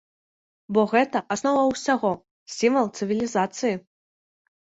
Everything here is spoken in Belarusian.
Бо гэта аснова ўсяго, сімвал цывілізацыі.